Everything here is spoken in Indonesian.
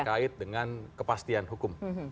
terkait dengan kepastian hukum